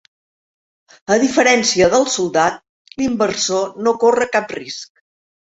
A diferència del soldat, l'inversor no corre cap risc.